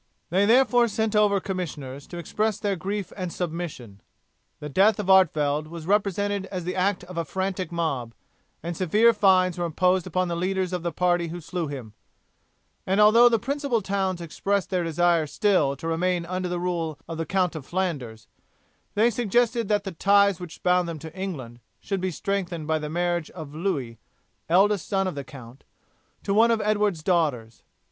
They therefore sent over commissioners to express their grief and submission. The death of Artevelde was represented as the act of a frantic mob, and severe fines were imposed upon the leaders of the party who slew him, and although the principal towns expressed their desire still to remain under the rule of the Count of Flanders, they suggested that the ties which bound them to England should be strengthened by the marriage of Louis, eldest son of the count, to one of Edward's daughters.